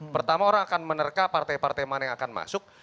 pertama orang akan menerka partai partai mana yang akan masuk